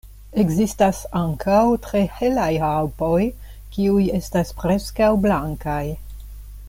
Ekzistas ankaŭ tre helaj raŭpoj, kiuj estas preskaŭ blankaj.